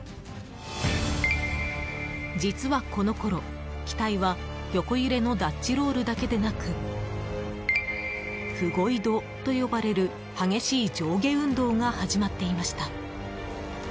実はこのころ、機体は横揺れのダッチロールだけでなくフゴイドと呼ばれる、激しい上下運動が始まっていました。